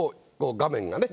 画面がね